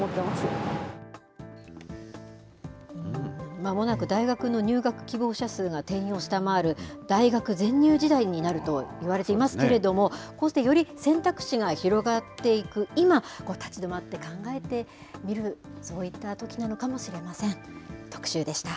まもなく大学の入学希望者数が定員を下回る大学全入時代になるといわれていますけれども、こうして、より選択肢が広がっていく今、立ち止まって考えてみる、そういったときなのかもしれません。